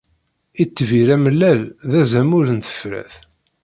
Itbir amellal d azamul n tefrat.